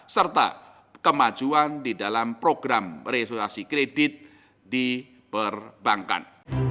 serta kemajuan di dalam program resoluasi kredit di perbankan